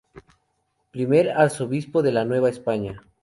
Primer arzobispo de la Nueva España.